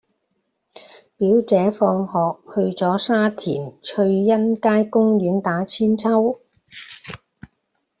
表姐放學去左沙田翠欣街公園打韆鞦